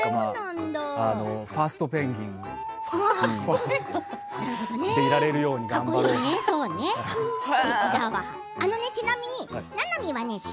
ファーストペンギンでいられるように頑張ります。